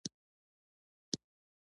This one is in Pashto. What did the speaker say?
هلته هېڅ امید نه و او هرڅه تیاره وو